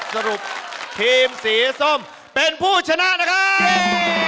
สรุปทีมสีส้มเป็นผู้ชนะนะครับ